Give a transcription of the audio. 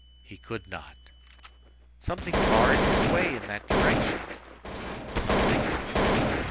He could not. Something barred his way in that direction. Something?